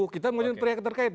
kita mengajukan pihak terkait